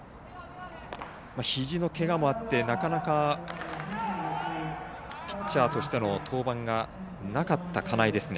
肘のけがもあって、なかなかピッチャーとしての登板がなかった金井ですが。